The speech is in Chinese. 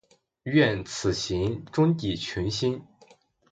愿此行，终抵群星。